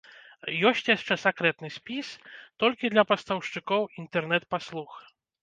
Ёсць яшчэ сакрэтны спіс, толькі для пастаўшчыкоў інтэрнэт-паслуг.